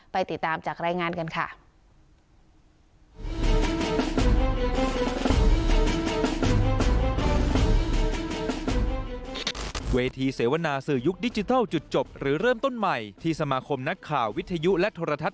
ติดตามจากรายงานกันค่ะ